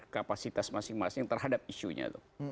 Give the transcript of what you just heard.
kapasitas masing masing terhadap isunya tuh